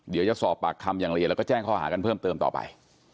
เดี๋ยวจะสอบปากคำอย่างละเอียดแล้วก็แจ้งข้อหากันเพิ่มเติมต่อไป